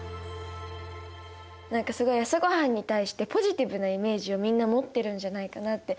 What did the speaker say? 何かすごい朝ごはんに対してポジティブなイメージをみんな持ってるんじゃないかなって。